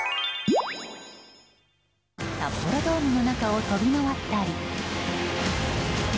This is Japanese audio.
札幌ドームの中を飛び回ったり。